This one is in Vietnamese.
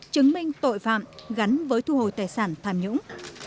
chứng minh tội phạm gắn với thu hồi tài sản tham nhũng